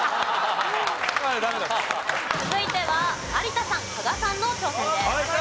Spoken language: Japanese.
続いては有田さん加賀さんの挑戦です。